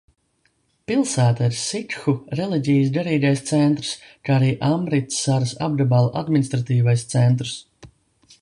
Pilsēta ir sikhu reliģijas garīgais centrs, kā arī Amritsaras apgabala administratīvais centrs.